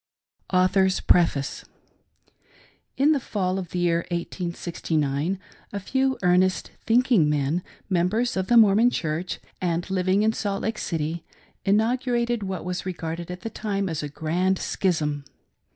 PREFACE. In the fall of Jthe year 1869, a few earnest, thinking men, members of the Mormon Church, and hving in Salt Lake City, inaugurated what was regarded at the time as a grand schism.